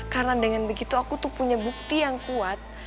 karena dengan begitu aku tuh punya bukti yang kuat